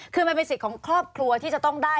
คือมันเป็นสิทธิ์ของครอบครัวที่จะต้องได้